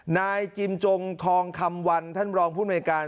นายจิมจงทองคำวัลท่านรองผู้อเมริกา